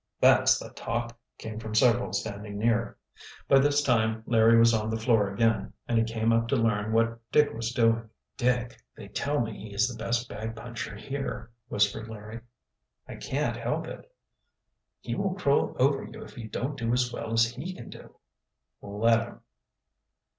"That's the talk," came from several standing near. By this time Larry was on the floor again, and he came up to learn what Dick was doing. "Dick, they tell me he is the best bag puncher here," whispered Larry. "I can't help it." "He will crow over you if you don't do as well as he can do." "Let him."